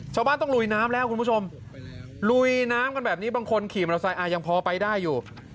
ชาวบ้านต้องลุยน้ำแล้วคุณผู้ชมลุยน้ำกันแบบนี้บางคนขี่มอเตอร์ไซค์ยังพอไปได้อยู่